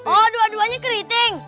oh dua duanya keriting